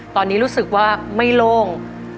ตอนนี้รู้สึกว่าไม่โล่ง